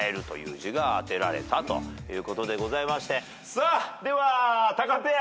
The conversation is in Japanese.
さあではタカペア。